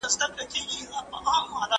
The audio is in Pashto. د کلونو لپاره د ټولنې بدلونونه څیړل کیږي.